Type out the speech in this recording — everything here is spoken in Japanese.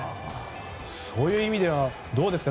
そういう意味ではどうですか？